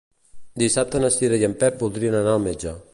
Dissabte na Cira i en Pep voldria anar al metge.